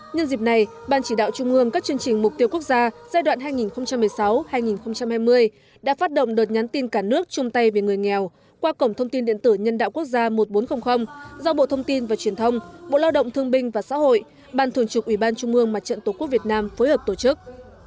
nhân dịp này ban chỉ đạo trung ương các chương trình mục tiêu quốc gia giai đoạn hai nghìn một mươi sáu hai nghìn hai mươi đã phát động đợt nhắn tin cả nước chung tay vì người nghèo qua cổng thông tin điện tử nhân đạo quốc gia một nghìn bốn trăm linh do bộ thông tin và truyền thông bộ lao động thương binh và xã hội ban thường trục ủy ban trung mương mặt trận tổ quốc việt nam phối hợp tổ chức